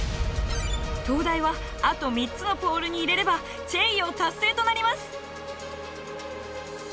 東大はあと３つのポールに入れればチェイヨー達成となります！